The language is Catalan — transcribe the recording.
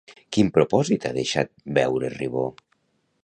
Quin propòsit ha deixat veure Ribó?